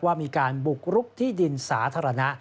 ว่ามีการบุกรุกที่ดินสาธารณะ